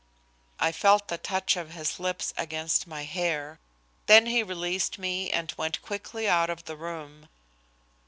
I felt the touch of his lips against my hair. Then he released me and went quickly out of the room.